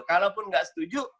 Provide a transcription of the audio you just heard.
kalaupun gak setuju